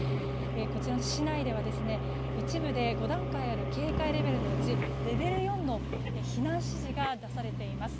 こちらの市内では一部で５段階ある警戒レベルのうちレベル４の避難指示が出されています。